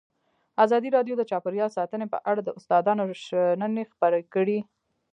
ازادي راډیو د چاپیریال ساتنه په اړه د استادانو شننې خپرې کړي.